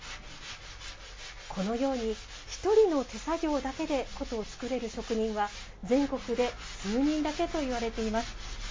このように一人の手作業だけで箏を作れる職人は全国で数人だけといわれています。